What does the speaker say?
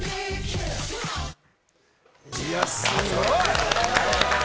いや、すごい！